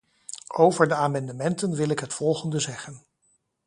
Over de amendementen wil ik het volgende zeggen.